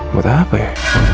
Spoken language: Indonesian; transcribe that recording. buat apa ya